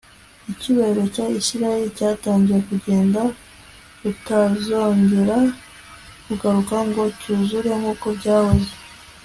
icyubahiro cya isirayeli cyatangiye kugenda butazongera kugaruka ngo cyuzure nk'uko byahoze